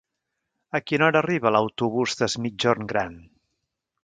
A quina hora arriba l'autobús d'Es Migjorn Gran?